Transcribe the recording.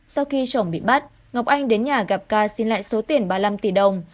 sau khi chồng bị bắt ngọc anh đến nhà gặp ca xin lại số tiền ba mươi năm tỷ đồng